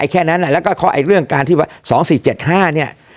แค่นั้นแล้วก็เรื่องการที่ว่า๒๔๗๕เนี่ย